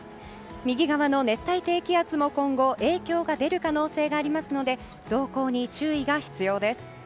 右側の熱帯低気圧も今後、影響が出る可能性がありますので動向に注意が必要です。